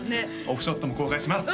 オフショットも公開します！